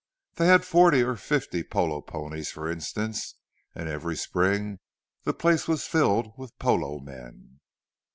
They had forty or fifty polo ponies, for instance, and every spring the place was filled with polo men.